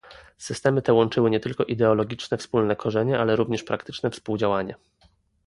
Systemy te łączyły nie tylko ideologiczne wspólne korzenie, ale również praktyczne współdziałanie